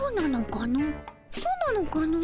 そうなのかの？